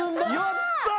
やった！